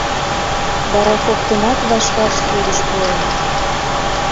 Вара коктынат ваш-ваш судыш пуэныт.